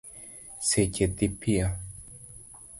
Seche dhi piyo